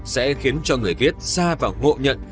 sẽ khiến cho người viết xa vào ngộ nhận